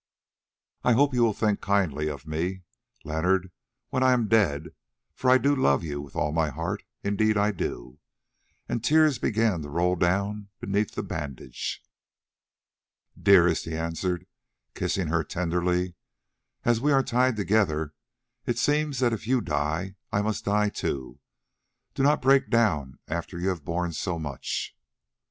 I hope you will think kindly of me, Leonard, when I am dead, for I do love you with all my heart, indeed I do." And tears began to roll down beneath the bandage. "Dearest," he answered, kissing her tenderly, "as we are tied together, it seems that if you die I must die too. Do not break down now after you have borne so much."